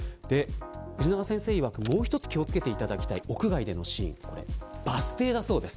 藤永さん先生いわく、もう一つ気を付けていただきたい屋外のシーンはバス停だそうです。